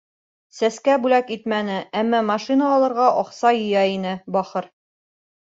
Сәскә бүләк итмәне, әммә машина алырға аҡса йыя ине, бахыр.